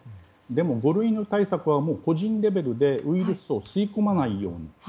でも五類の対策は個人レベルでウイルスを吸い込まないように。